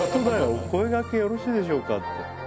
お声がけよろしいでしょうかって。